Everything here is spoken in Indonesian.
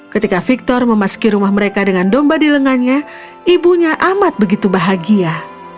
ketika victor memasuki rumah mereka dengan domba di lengannya ibunya amat begitu bahagia